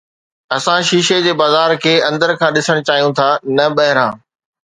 اسان شيشي جي بازار کي اندر کان ڏسڻ چاهيون ٿا نه ٻاهران